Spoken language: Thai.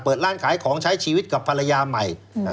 เปิดร้านขายของใช้ชีวิตกับภรรยาใหม่